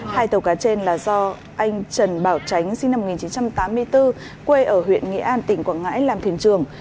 hai tàu cá trên là do anh trần bảo tránh sinh năm một nghìn chín trăm tám mươi bốn quê ở huyện nghĩa an tỉnh quảng ngãi làm thuyền trường